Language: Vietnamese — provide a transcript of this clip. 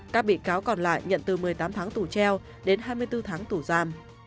các bị cáo còn lại nhận từ một mươi tám tháng tù treo đến hai mươi bốn tháng tù giam